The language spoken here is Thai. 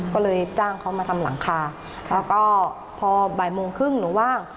ก็เลยจ้างเขามาทำหลังคาแล้วก็พอบ่ายโมงครึ่งหนูว่าง